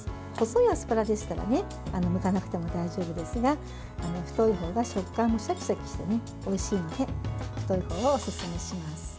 細いアスパラでしたらむかなくても大丈夫ですが太いものが食感もシャキシャキしておいしいので太い方をおすすめします。